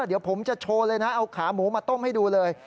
เดี๋ยวผมจะโชว์เลยนะเอาขาหมูมาต้มให้ดูเลย